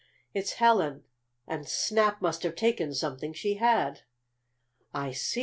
"It's Helen, and Snap must have taken something she had." "I see!"